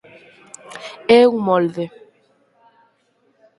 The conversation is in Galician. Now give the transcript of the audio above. É un molde.